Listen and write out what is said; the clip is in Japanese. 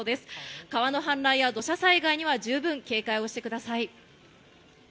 川の氾濫や土砂災害には十分警戒をしてください。